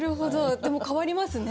でも変わりますね。